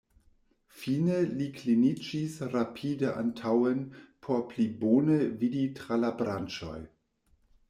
Fine li kliniĝis rapide antaŭen por pli bone vidi tra la branĉoj.